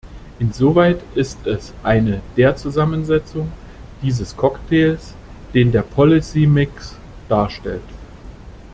Insoweit ist es eine der Zusammensetzung dieses Cocktails, den der policy mix darstellt.